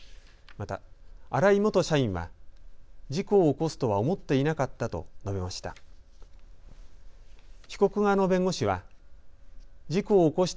また、荒井元社員は事故を起こすとは思っていなかったと述べました。